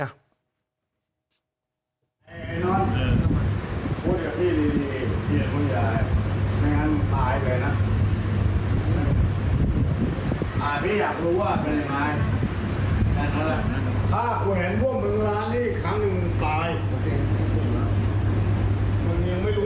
ขอบคุณครับ